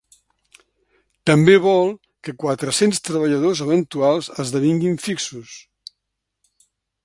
També vol que quatre-cents treballadors eventuals esdevinguin fixos.